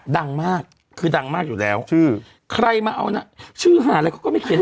ดังมากคือดังมากอยู่แล้วชื่อใครมาเอาน่ะชื่อหาอะไรเขาก็ไม่เขียน